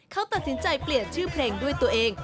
เขาตัดสินใจเปลี่ยนชื่อเพลงด้วยตัวเอง